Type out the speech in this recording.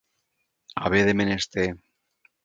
Haver de menester.